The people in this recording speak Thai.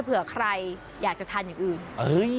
เผื่อใครอยากจะทานอย่างอื่น